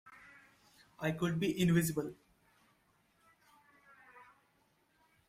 I could be invisible!